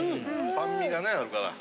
酸味がねあるから。